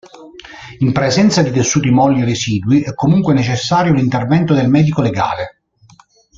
In presenza di tessuti molli residui è comunque necessario l'intervento del medico legale.